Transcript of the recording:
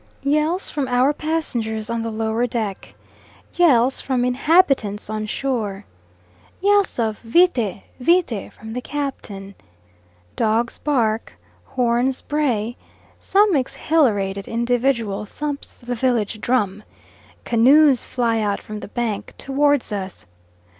Yells from our passengers on the lower deck. Yells from inhabitants on shore. Yells of vite, vite from the Captain. Dogs bark, horns bray, some exhilarated individual thumps the village drum, canoes fly out from the bank towards us.